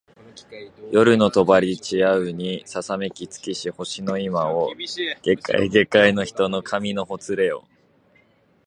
夜の帳ちやうにささめき尽きし星の今を下界げかいの人の髪のほつれよ